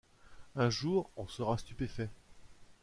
Un jour on sera stupéfait.